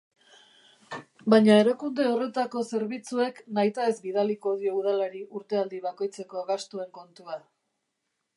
Baina erakunde horretako zerbitzuek nahitaez bidaliko dio Udalari urtealdi bakoitzeko gastuen kontua.